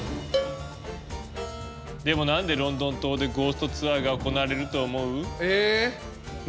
でも何でロンドン塔でゴーストツアーが行われると思う？